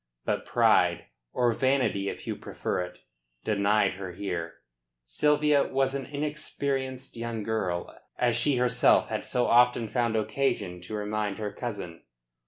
But pride, or vanity if you prefer it, denied her here. Sylvia was an inexperienced young girl, as she herself had so often found occasion to remind her cousin.